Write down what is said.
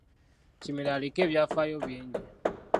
Kimera aliko ebyafaayo bingi.